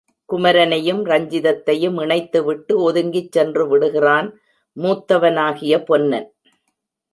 குமரனையும் ரஞ்சிதத்தையும் இணைத்து விட்டு ஒதுங்கிச் சென்றுவிடுகிறான், மூத்தவனாகிய பொன்னன்!